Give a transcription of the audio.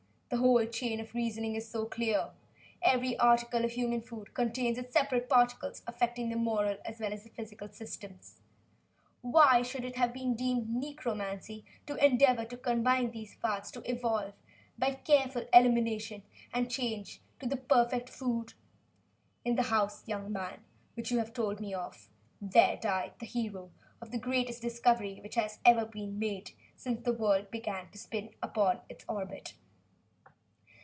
The whole chain of reasoning is so clear. Every article of human food contains its separate particles, affecting the moral as well as the physical system. Why should it have been deemed necromancy to endeavor to combine these parts, to evolve by careful elimination and change the perfect food? In the house, young man, which you have told me of, there died the hero of the greatest discovery which has ever been made since the world began to spin upon its orbit."